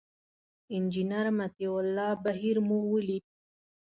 انجینر مطیع الله بهیر مو ولید.